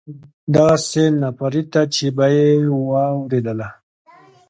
دغسې ناپړېته چې به یې واورېدله.